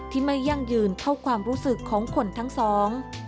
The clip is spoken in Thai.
ไม่ยั่งยืนเท่าความรู้สึกของคนทั้งสอง